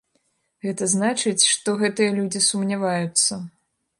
Гэта значыць, што гэтыя людзі сумняваюцца.